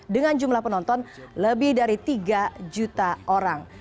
dengan jumlah penonton lebih dari tiga juta orang